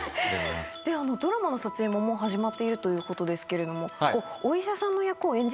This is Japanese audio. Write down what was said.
ドラマの撮影ももう始まっているということですけれども。